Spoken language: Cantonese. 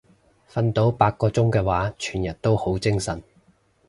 瞓到八個鐘嘅話全日都好精神